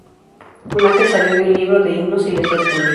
Un ángel salió de un libro de himnos y les reprendió.